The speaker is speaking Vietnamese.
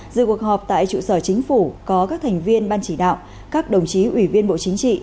dự cuộc họp tại trụ sở chính phủ có các thành viên ban chỉ đạo các đồng chí ủy viên bộ chính trị